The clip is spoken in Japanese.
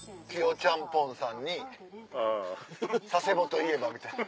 ちゃんぽんさんに「佐世保といえば」みたいな。